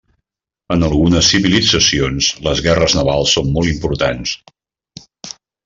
En algunes civilitzacions les guerres navals són molt importants.